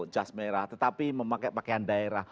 jas merah tetapi memakai pakaian daerah